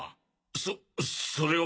そそれは。